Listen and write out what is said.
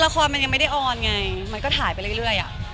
ละครมันยังไม่ได้ออนไงมันก็ถ่ายไปเรื่อย